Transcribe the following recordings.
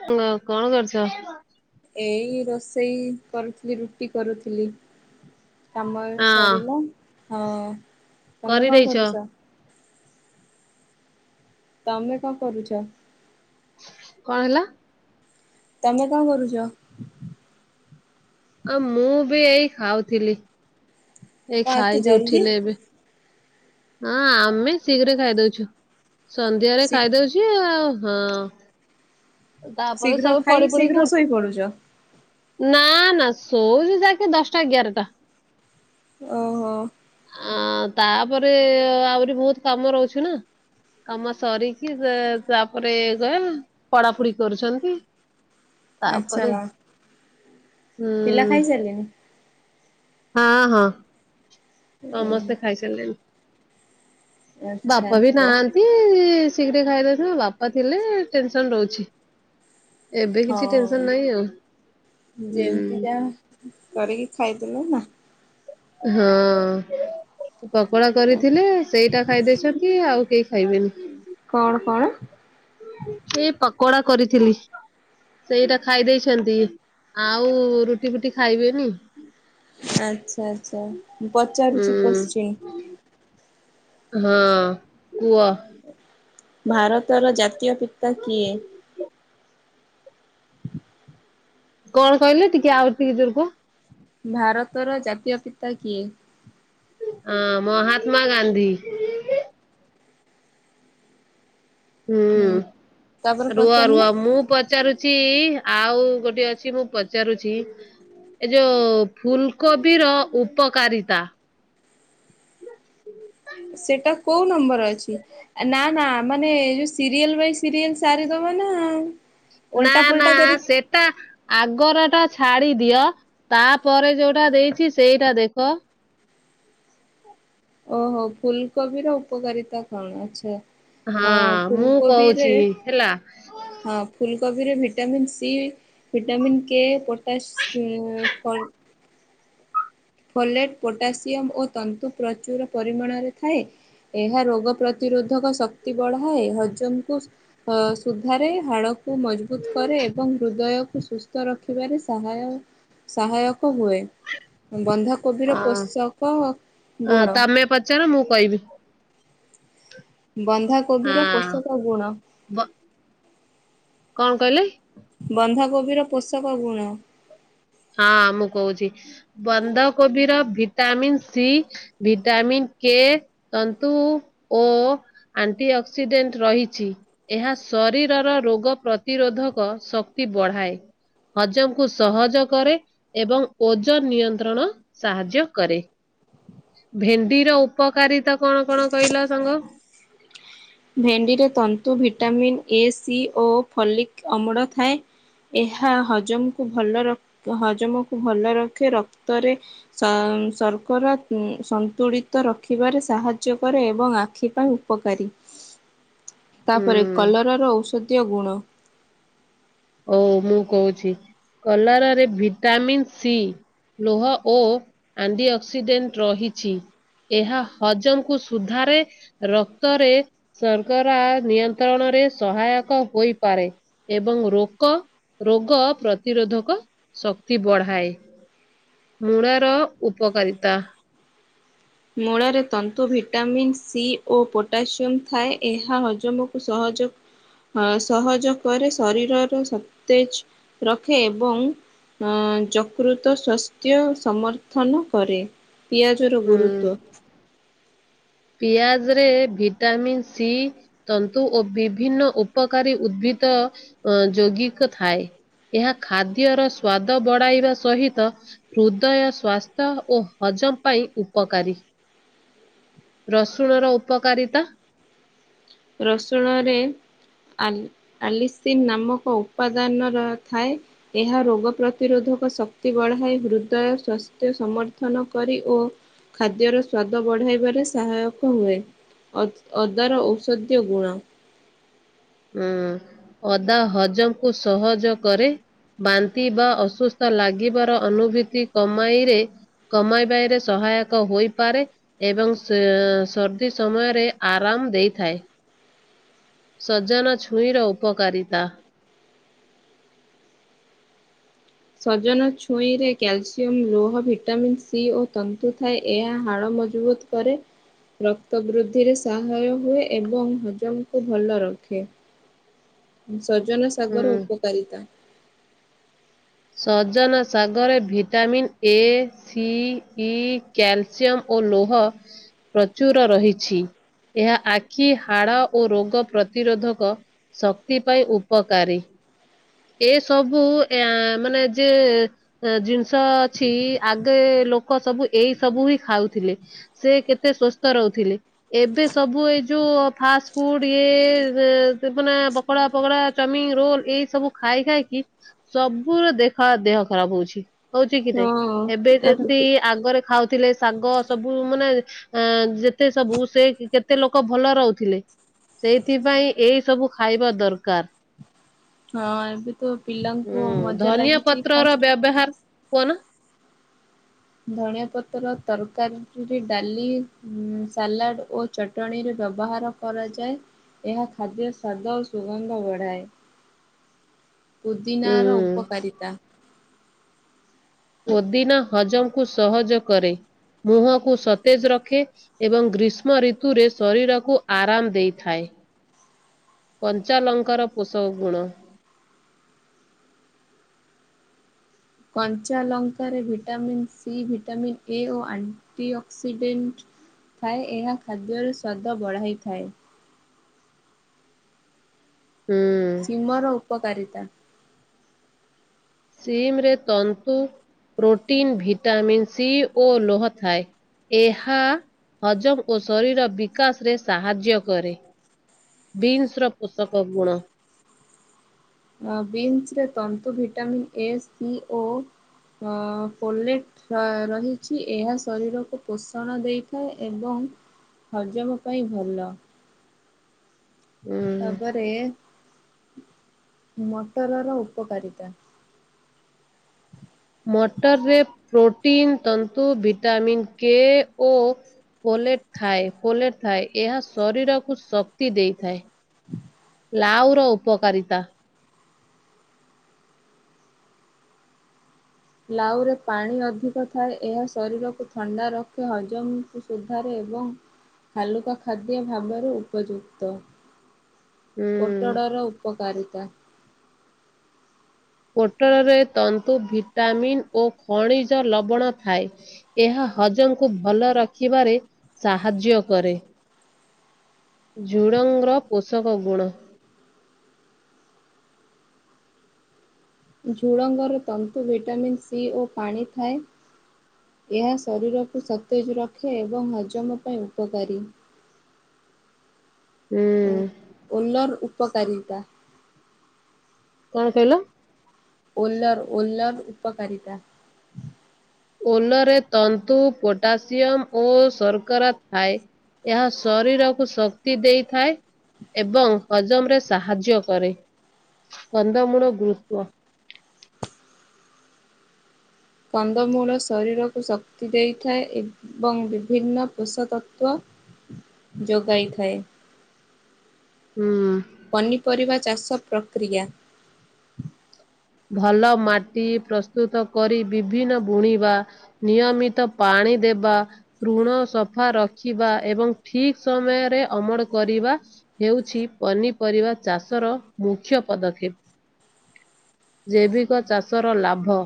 ହ କଣ କରୁଚ? ଏଇ ରୋଷେଇ କରୁଥିଲି ରୁଟି କରୁଥିଲି। କାମ ହଁ ସରିଲା ହଁ ତମେ କଣ କରିଦେଇଛ କରୁଚ? ତମେ କଣ କରୁଚ? କଣ ହେଲା? ତମେ କଣ କରୁଚ? ଆ ମୁଁ ବି ଏଇ ଖାଉଥିଲି। ଏ କଣ ଏତେ ଖାଇକି ଜଲ୍ଦି? ଉଠିଲେ ଏବେ। ହଁ ଆମେ ଶୀଘ୍ର ଖାଇଦଉଛୁ ସନ୍ଧ୍ୟାରେ ଶୀ ଖାଇଦଉଛି ଆଉ। ହଁ ତାପରେ ଶୀଘ୍ର ସବୁ ଖାଇ ପଡି ପଡି କି ଶୀଘ୍ର ଶୋଇ ପଡୁଛ। ଉ ନା ନା ଶୋଉଚୁ ଯାକେ ଦଶଟା ଗ୍ୟାରଟା। ଓ ହୋ। ଆ ତାପରେ ଆହୁରି ବହୁତ କାମ ରହୁଛି ନା। କାମ ସରିକି ସେ ତାପରେ କହ ପଡ଼ାପୁଡି କରୁଛନ୍ତି। ତାପରେ ଆଚ୍ଛା ହୁଁ। ପିଲା ଖାଇସାରିଲେଣି? ହଁ ହଁ। ସମସ୍ତେ ଉଁ ଖାଇସାରିଲେଣି। ଆଚ୍ଛା ବାପ ବି ଓ ନାହାନ୍ତି। ଶୀଘ୍ର ଖାଇଦଉଛନ୍ତି ବାପା ଥିଲେ ଟେନସନ ରହୁଛି। ଏବେ କିଛି ହଁ ଟେନସନ ନାଇଁ ଆଉ ଯେମିତି ହୁଁ। ଯାହା କରିକି ଖାଇଦେଲ ନା ହଁ ପକୋଡା କରିଥିଲେ ସେଇଟା ଖାଇ ଦେଇଛନ୍ତି ଆଉ କେଇ ଖାଇବେନି। କଣ କଣ? ସେ ପକୋଡା କରିଥିଲି। ସେଇଟା ଖାଇଦେଇଛନ୍ତି। ଆଉ ରୁଟି ଫୁଟି ଖାଇବେନି। ଆଚ୍ଛା ଆଚ୍ଛା ମୁଁ ପଚାରୁଚି ଉଁ କୋଶ୍ଚିନ୍? ହଁ କୁଅ? ଭାରତର ଜାତୀୟ ପିତା କିଏ? କଣ କଇଲେ ଟିକେ ଆହୁରି ଟିକେ ଜୋରେ କୁଅ? ଭାରତର ଜାତୀୟ ପିତା କିଏ? ହଁ ମହାତ୍ମା ଗାନ୍ଧୀ। ତାପରେ ହୁଁ ରୁଅ ପଚାରିଲେ ରୁଅ ମୁଁ ପଚାରୁଚି ଆଉ ଗୋଟେ ଅଛି ମୁଁ ପଚାରୁଚି ଏ ଯୋଉ ଫୁଲକୋବି ର ଉପକାରିତା? ସେଟା କୋଉ ନମ୍ବର ଅଛି ନା ନା ମାନେ ଯୋଉ ସିରିଏଲ ବାଇ ସିରିଏଲ ସାରି ଦବା। ନା। ନା ଓଲଟା ନା ପୋଲଟା କରି ସେଟା ଆଗର ଟା ଛାଡି ଦିଅ ତାପରେ ଯୋଉଟା ଦେଇଚି ସେଇଟା ଦେଖ। ଓହୋ ଫୁଲକୋବି ର ଉପକାରିତା କଣ? ଆଚ୍ଛା। ହଁ ଅ ମୁଁ ଫୁଲକୋବିରେ କହୁଛି ହେଲା। ହଁ ଫୁଲକୋବି ରେ vitamin C vitamin K ପୋଟାସ ଫ ଫଲେଟ ପୋଟାସିୟମ ଓ ତନ୍ତୁ ପ୍ରଚୁର ପରିମାଣରେ ଥାଏ। ଏହା ରୋଗ ପ୍ରତିରୋଧକ ଶକ୍ତି ବଢାଏ ହଜମକୁ ଅ ସୁଧାରେ ହାଡ କୁ ମଜବୁତ କରେ ଏବଂ ହୃଦୟକୁ ସୁସ୍ଥ ରଖିବାରେ ସାହାୟ ସହାୟକ ହୁଏ। ବନ୍ଧାକୋବିର ଅ ପୋଷକ ଅ, ଗୁଣ ତମେ ପଚାର ମୁଁ କହିବି ବନ୍ଧାକୋବିର ହଁ ପୋଷକ ଗୁଣ ବ- କଣ କହିଲେ? ବନ୍ଧାକୋବିର ପୋଷକ ଗୁଣ ହଁ ମୁଁ କହୁଛି ବନ୍ଧାକୋବି ର ଭିଟାମିନ୍ ସି ଭିଟାମିନ୍ କେ ତନ୍ତୁ ଓ ଆଣ୍ଟି ଅକ୍ସିଡେଣ୍ଟ୍ ରହିଛି ଏହା ଶରୀରର ରୋଗ ପ୍ରତିରୋଧକ ଶକ୍ତି ବଢାଏ ହଜମକୁ ସହଜ କରେ ଏବଂ ଓଜନ ନିୟନ୍ତ୍ରଣ ସାହାଯ୍ୟ କରେ। ଭେଣ୍ଡିର ଉପକାରିତା କଣ କଣ କହିଲ ସାଙ୍ଗ ଭେଣ୍ଡିରେ ତନ୍ତୁ ଭିଟାମିିନ ଏ ସି ଓ ଫଲିକ ଅମଳ ଥାଏ। ଏହା ହଜମକୁ ଭଲ ହଜମକୁ ଭଲ ରଖେ ରକ୍ତରେ ସର୍କରା ସନ୍ତୁଳିତ ରଖିବାରେ ସାହାଯ୍ୟ କରେ ଏବଂ ଆଖି ପାଇଁ ଉପକାରୀ। ତାପରେ ହୁଁ। କଲରାର ଔଷଧୀୟ ଗୁଣ। ହଉ ମୁଁ କହୁଛି କଲରାରେ ଭିଟାମିନ ସି ଲୋହ ଓ ଆଣ୍ଟି ଅକ୍ସିଡେଣ୍ଟ୍ ରହିଛି। ଏହା ହଜମକୁ ସୁଧାରେ ରକ୍ତରେ ସର୍କରା ନିୟନ୍ତ୍ରଣ ରେ ସହାୟକ ହୋଇପାରେ ଏବଂ ରୋଗ ଗ ରୋଗ ପ୍ରତିରୋଧକ ଶକ୍ତି ବଢାଏ। ମୂଳାର ଉପକାରିତା। ମୂଳାରେ ତନ୍ତୁ ଭିଟାମିନ ସି ଓ ପୋଟାସିୟମ ଥାଏ ଏହା ହଜମକୁ ସହଜ ଜଉ [unintelligible] ଅ ସହଜ କରେ ଶରୀରର ସତେଜ ରଖେ ଏବଂ ଅଁ ଯକୃତ ସ୍ୱାସ୍ଥ୍ୟ ସମର୍ଥନ କରେ। ପିଆଜର ଗୁରୁତ୍ବ ପିଆଜ ରେ ଭିଟାମିନ ସି ତନ୍ତୁ ଓ ବିଭିନ୍ନ ଉପକାରୀ ଉଦ୍ଭିଦ ତ ଅ ଯୌଗିକ ଥାଏ। ଏହା ଖାଦ୍ୟର ସ୍ଵାଦ ବଢାଇବା ସହିତ ହୃଦୟ ସ୍ୱାସ୍ଥ୍ୟ ଓ ହ ଜମ୍ ପାଇଁ ଉପକାରୀ [inaudible] ରସୁଣର ଉପକାରିତା ରସୁଣରେ ଆଲି ଆଲିସିନ ନାମକ ଉପାଦାନର ଥାଏ ଏହା ରୋଗ ପ୍ରତିରୋଧ ଶକ୍ତି ବଢାଇ ହୃଦୟ ସ୍ୱାସ୍ଥ୍ୟ ସମର୍ଥନ କରି ଓ ଖାଦ୍ୟର ସ୍ଵାଦ ବଢାଇବାରେ ସହାୟକ ହୁଏ ଅଦାର ଔଷଧ ଧିୟ ଗୁଣ ହ ଅଦା ହଜମ କୁ ସହଜ କରେ। ବାନ୍ତି ବା ଅସୁସ୍ଥ ଲାଗିବାର ଅନୁଭୂତି କମାଇରେ କମାଇବାରେ ସହାୟକ ହୋଇପାରେ ଏବଂ ସଁ ସର୍ଦ୍ଦି ସମୟରେ ଆରାମ ଦେଇଥାଏ। ସଜନା ଛୁଇଁର ଉପକାରିତା। [inaudible] ସଜନା ଛୁଇଁରେ କ୍ୟାଲସିୟମ୍ ଲୋହ ଭିଟାମିନ୍ ସି ଓ ତନ୍ତୁ ଥାଏ ଏହା ହାଡ଼ ମଜବୁତ କରେ। ରକ୍ତ ବୃଦ୍ଧିରେ ସହାୟ ହୁଏ ଏବଂ ହଜମକୁ ଭଲ ରଖେ। ସଜନ ସାଗର ଉପକାରିତା ସଜନ ଶାଗରେ vitamin A C E calcium ଓ ଓ ଲୋହ ପ୍ରଚୁର ରହିଛି। ଏହା ଆଖି ହାଡ଼ ଓ ରୋଗ ପ୍ରତିରୋଧକ ଶକ୍ତି ପାଇଁ ଉପକାରୀ। ଏସବୁ ଏଁ ଆ ମାନେ ଯେ ଜିନିଷ ଅଛି ଆଗେ ଲୋକ ସବୁ ଏଇସବୁ ହିଁ ଖାଉଥି ଲେ। ସେ କେତେ ସୁସ୍ଥ ରହୁଥିଲେ। ଏବେ ସବୁ ଏଇ ଯୋଉ ଫାଷ୍ଟ ଫୁଡ ଇଏ ସେ ସିପୁନା, ପକୋଡା ପକୋଡା, ଚମିିନ, ରୋଲ, ଏଇସବୁ ଖାଇ ଖାଇକି, ସବୁ ପୁରା ଦେଖ ଦେହ ଖରାପ ହଉଛି। ହଉଛି କି ନାଇଁ? ହଁ ଏବେ ଯେମିତି ଆ ଆଗରେ ଖାଉ ଥିଲେ ଶାଗ ସବୁ ମାନେ ଅ ଯେତେ ସବୁ ସେ କେତେ ଲୋକ ଭଲ ରହୁଥିଲେ ସେଇଥିପାଇଁ ଏଇସବୁ ଖାଇବା ଦରକାର। ହଁ ଏବେ ତ ପିଲାଙ୍କୁ ହୁଁ ମଜା ଧନିଆ ଲାଗିଛି ପତ୍ର ର ଫାଷ୍ଟ ବ୍ୟବହାର କୁହନା। ଧଣିଆ ପତ୍ର ତରକାରୀଠୁ ଡାଲି, ଉଁ ସାଲାଡ ଓ ଚଟଣିରେ ବ୍ୟବହାର କରାଯାଏ। ଏହା ଖାଦ୍ୟ ସ୍ୱାଦ ଓ ସୁଗନ୍ଧ ବଢ଼ାଏ। ପୁଦିିନାର ହୁଁ ଉପକାରିତା। ପୁଦିନା ହଜମକୁ ସହଜ କରେ। ମୁହଁକୁ ସତେଜ ରଖେ ଏବଂ ଗ୍ରୀଷ୍ମ ଋତୁରେ ଶରୀରକୁ ଆରାମ ଦେଇଥାଏ। [inaudible] କଞ୍ଚାଲଙ୍କାର ପୋଷକ ଗୁଣ। [inaudible] କଞ୍ଚା ଲଙ୍କାରେ ଭିଟାମିନ୍ ସି, ଭିଟାମିନ୍ ଏ ଓ ଆଣ୍ଟି ଅକ୍ସିଡେଣ୍ଟ ଥାଏ। ଏହା ଖାଦ୍ୟର ସ୍ୱାଦ ବଢାଇଥାଏ। ହୁଁ ଶିମର ଉପକାରିତା। ଶିମ୍ ରେ ତନ୍ତୁ ପ୍ରୋଟିନ୍, ଭିଟାମିନ୍ ସି ଓ ଲୌହ ଥାଏ। ଏହା ହଜମ ଓ ଶରୀର ବିକାଶରେ ସାହାଯ୍ୟ କରେ। ବିନ୍ସର ପୋଷକ ଗୁଣ। ଆ ବିନ୍ସରେ ତନ୍ତୁ, ଭିଟାମନ୍ ଏ, ସି, ଓ ହଁ ପୋଲେଟ ରହିଛି। ଏହା ଶରୀରକୁ ପୋଷଣ ଦେଇଥାଏ ଏବଂ ହଜମ ପାଇଁ ଭଲ। ଉଁ ତାପରେ ମଟରର ଉପକାରିତା। ମଟରରେ ପ୍ରୋଟିନ୍, ତନ୍ତୁ, ଭିଟାମନ୍ କେ ଓ ପୋଲେଟ୍ ଖାଏ ପୋଲେଟ୍ ଥାଏ। ଏହା ଶରୀରକୁ ଶକ୍ତି ଦେଇଥାଏ। ଲାଉର ଉପକାରିତା। ଲାଉ ରେ ପାଣି ଅଧିକ ଥାଏ। ଏହା ଶରୀରକୁ ଥଣ୍ଡା ରଖେ। ହଜମକୁ ସୁଧାରେ ଏବଂ ହାଲୁକା ଖାଦ୍ୟ ଭାବରେ ଉପଯୁକ୍ତ। ଉଁ, ପୋଟଡର ଉପକାରିତା। ପୋଟଳରେ ତନ୍ତୁ, ଭିଟାମିନ ଓ ଖଣିଜ ଲବଣ ଥାଏ। ଏହା ହଜମ କୁ ଭଲ ରଖିବାରେ ସାହାଯ୍ୟ କରେ। ଝୁଡ଼ଙ୍ଗର ପୋଷକ ଗୁଣ। ଝୁଡ଼ଙ୍ଗରେ ତନ୍ତୁ, ଭିଟାମିନ୍ ସି ଓ ପାଣି ଥାଏ। ଏହା ଶରୀରକୁ ସତେଜ ରଖେ ଏବଂ ହଜମ ପାଇଁ ଉପକାରୀ। ଉଁ, ଓ ଓଲର ଉପକାରିତା। କଣ କହିଲ? ଓଲର୍ ଓଲର ଉପକାରିତା। ଓଲରେ ତନ୍ତୁ, ପୋଟାସିୟମ ଓ ଶର୍କରା ଥାଏ। ଏହା ଶରୀରକୁ ଶକ୍ତି ଦେଇଥାଏ ଏବଂ ହଜମରେ ସାହାଯ୍ୟ କରେ। କନ୍ଦମୂଳ ଗୁରୁତ୍ୱ। କନ୍ଦମୂଳ ଶରୀରକୁ ଶକ୍ତି ଦେଇଥାଏ ଏବଂ ବିଭିନ୍ନ ପୋଷ ତତ୍ତ୍ୱ ଯୋଗାଇ ଥାଏ। ହୁଁ, ପନିପରିବା ଚାଷ ପ୍ରକ୍ରିୟା। ଭଲ ମାଟି ପ୍ରସ୍ତୁତ କରି ବିଭିନ୍ନ ବୁଣିବା ନିୟମିତ ପାଣି। ଦେବା ଋଣ ସଫା ରଖିବା ଏବଂ ଠିକ ସମୟରେ ଅମଳ କରିବା। ହେଉଛି ପନିପରିବା ଚାଷର ମୁଖ୍ୟ ପଦକ୍ଷେପ। ଜୈବିକ ଚାଷର ଲାଭ।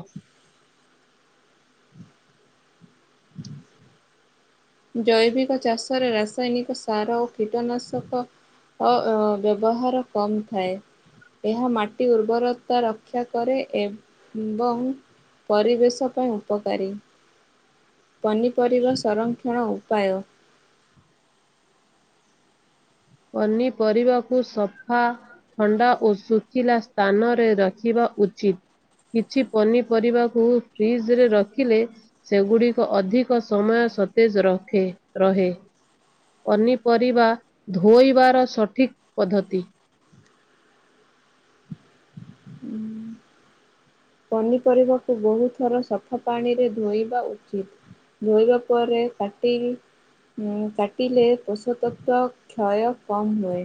ଜୈବିକ ଚାଷରେ ରାସାୟନିକ ସାର ଓ କୀଟନାଶକ। ଅ ବ୍ୟବହାର କମ ଥାଏ। ଏହା ମାଟି ଉର୍ବରତା ରକ୍ଷା କରେ ଏବଂ। ପରିବେଶ ପାଇଁ ଉପକାରୀ। ପନିପରିବା ସଂରକ୍ଷଣ ଉପାୟ। ପନିପରିବାକୁ ସଫା। ଥଣ୍ଡା ଓ ଶୁଖିଲା ସ୍ଥାନରେ ରଖିବା ଉଚିତ୍। କିଛି ପନିପରିବାକୁ ଫ୍ରିଜ ରେ ରଖିଲେ ସେଗୁଡିକ ଅଧିକ ସମୟ। ସତେଜ ରଖେ ରହେ ପନିପରିବା। ଧୋଇବାର ସଠିକ୍ ପଦ୍ଧତି। ପନିପରିବାକୁ ବହୁ ଥର ସଫା ପାଣିରେ ଧୋଇବା ଉଚିତ। ଧୋଇବା ପରେ କାଟି କି। ମ କାଟିଲେ ପୋଷତତ୍ଵ କ୍ଷୟ କମ ହୁଏ।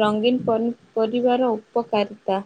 ରଙ୍ଗୀନ ପନିପରିବାର ଉପକାରିତା।